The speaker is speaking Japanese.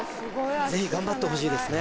ぜひ頑張ってほしいですね